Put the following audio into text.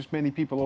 bahkan saya juga